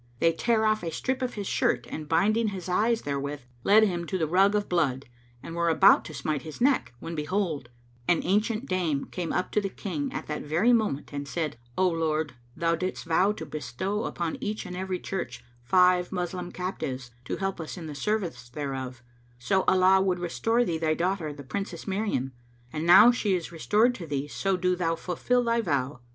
They tare off a strip of his skirt and binding his eyes therewith, led him to the rug of blood and were about to smite his neck, when behold, an ancient dame came up to the King at that very moment and said, "O my lord, thou didst vow to bestow upon each and every church five Moslem captives, to help us in the service thereof, so Allah would restore thee thy daughter the Princess Miriam; and now she is restored to thee, so do thou fulfil thy vow."